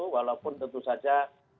walaupun tentu saja